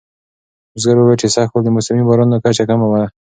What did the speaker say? بزګر وویل چې سږکال د موسمي بارانونو کچه کمه وه.